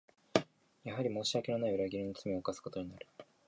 やはり申し訳のない裏切りの罪を犯すことになる